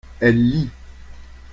elle lit.